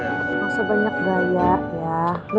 masa banyak gayat ya